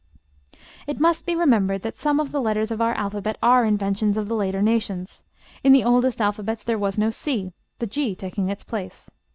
It must be remembered that some of the letters of our alphabet are inventions of the later nations. In the oldest alphabets there was no c, the g taking its place.